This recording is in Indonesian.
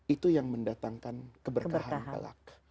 itu yang mendatangkan keberkahan kelak